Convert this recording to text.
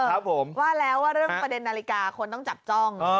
ครับผมว่าแล้วว่าเรื่องประเด็นนาฬิกาคนต้องจับจ้อง